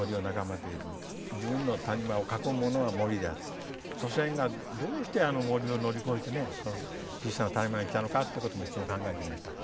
自分の谷間を囲むものは森であって祖先がどうしてあの森を乗り越えてこの小さな谷間に来たのかっていうこともいつも考えていました。